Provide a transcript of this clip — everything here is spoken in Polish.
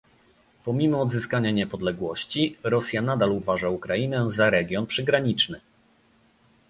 Pomimo odzyskania niepodległości, Rosja nadal uważa Ukrainę za region "przygraniczny"